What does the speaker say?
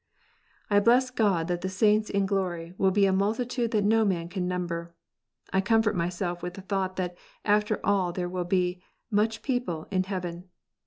I bless God that the saints in glory will be a multitude that no man can number. I comfort myself with the thought that after all there will be " much people " in heaven.